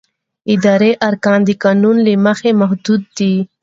اداري ارګان د قانون له مخې محدود دی.